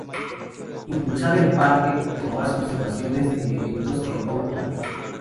Impulsada en parte por más observaciones de eventos en Oakland.